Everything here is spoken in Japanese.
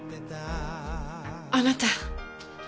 あなた。